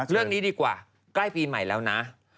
เรื่องนี้ดีกว่าใกล้ปีใหม่แล้วนะ